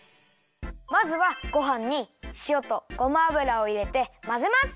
まずはごはんにしおとごま油をいれてまぜます！